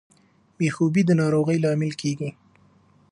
بې خوبي د ناروغۍ لامل کیږي.